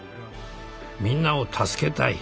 みんなを助けたい。